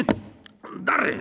誰？